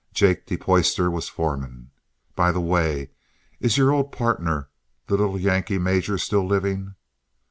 Jake de Poyster was foreman. By the way, is your old partner, the little Yankee major, still living?"